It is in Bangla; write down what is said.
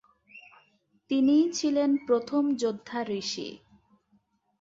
তিনিই ছিলেন প্রথম যোদ্ধা ঋষি।